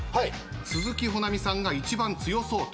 鈴木保奈美さんが一番強そうと。